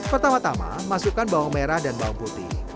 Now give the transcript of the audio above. pertama tama masukkan bawang merah dan bawang putih